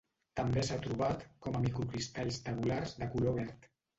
També s'ha trobat com a microcristalls tabulars de color verd.